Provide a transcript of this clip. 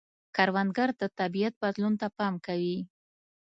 کروندګر د طبیعت بدلون ته پام کوي